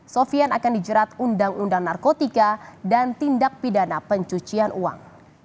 sofian akan dijerat undang undang narkotika dan tindak pidana pencucian uang